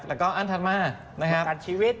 แล้วก็อันถัดมานะครับประกันชีวิต